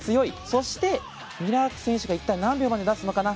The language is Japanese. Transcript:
そして、ミラーク選手が一体何秒まで出すのかな。